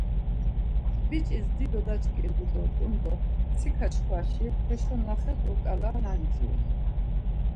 Biç̌is dido daç̌ǩindu dort̆un do mtsika çkvaşi heşo na xet̆u ǩala nanciru.